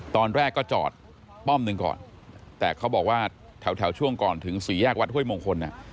ตอนแรกก็จอดป้อมหนึ่งก่อนแต่เขาบอกว่าแถวช่วงก่อนถึงสี่แยกวัดห้วยมงคล